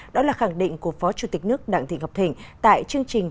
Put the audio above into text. đó là khẳng định của phó chủ tịch nước đặng thị ngọc thịnh tại chương trình